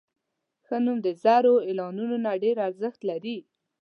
ښه نوم د زرو اعلانونو نه ډېر ارزښت لري.